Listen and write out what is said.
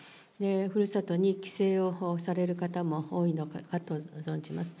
ふるさとに帰省をされる方も多いのかと存じます。